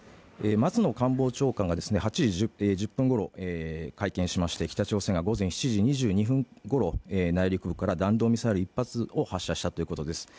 松野官房長官が８時１０分ごろ会見しまして、北朝鮮が午前７時２２分ごろ、内陸部から弾道ミサイル１発を発射したということです。